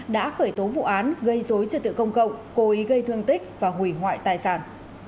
đã khởi tố vụ án gây dối trật tự công cộng cố ý gây thương tích và hủy hoại tài sản